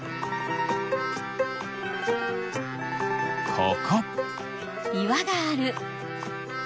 ここ。